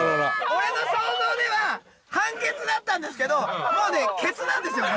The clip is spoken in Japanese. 俺の想像では半ケツだったんですけどもうねケツなんですよこれ。